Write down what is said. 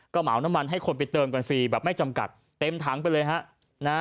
ก็เหมาน้ำมันให้คนไปเติมกันฟรีแบบไม่จำกัดเต็มถังไปเลยฮะนะฮะ